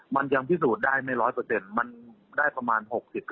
มันยังพิสูจน์ได้ไม่๑๐๐มันได้ประมาณ๖๐